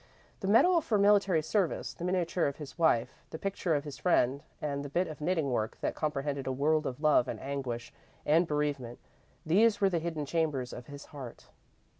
The medal for military service, the miniature of his wife, the picture of his friend, and the bit of knitting work that comprehended a world of love and anguish and bereavement these were the hidden chambers of his heart.